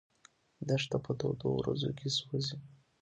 دښته په تودو ورځو کې سوځي.